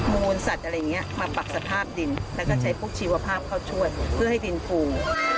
มูลสัตว์อะไรอย่างนี้มาปรับสภาพดินแล้วก็ใช้พวกชีวภาพเข้าช่วยเพื่อให้ดินฟู